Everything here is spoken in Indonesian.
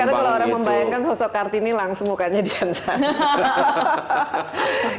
dan sekarang kalau orang membayangkan sosok kartini langsung mukanya dihancar